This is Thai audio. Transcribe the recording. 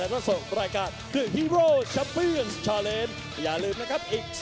โปรดติดตามต่อไป